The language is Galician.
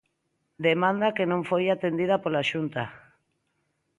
Demanda que non foi atendida pola Xunta.